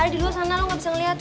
ada di luar sana lo gak bisa ngeliat